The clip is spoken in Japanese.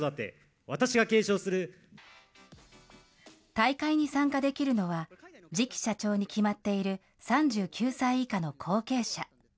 大会に参加できるのは、次期社長に決まっている３９歳以下の後継者。